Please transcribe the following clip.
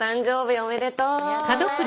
おめでとう！